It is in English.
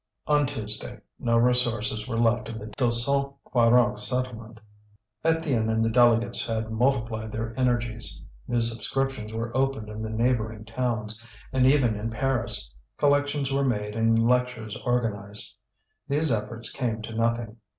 On Tuesday no resources were left in the Deux Cent Quarante settlement. Étienne and the delegates had multiplied their energies. New subscriptions were opened in the neighbouring towns, and even in Paris; collections were made and lectures organized. These efforts came to nothing.